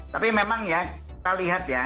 tapi memang ya kita lihat ya